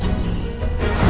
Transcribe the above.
dari kita tuh ya